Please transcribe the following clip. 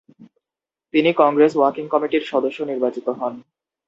তিনি কংগ্রেস ওয়ার্কিং কমিটির সদস্য নির্বাচিত হন।